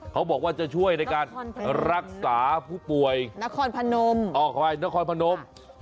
เขาบอกว่าจะช่วยในการรักษาผู้ป่วยนครพนม